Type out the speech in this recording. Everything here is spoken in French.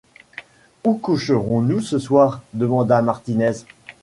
Où coucherons-nous ce soir? demanda Martinez.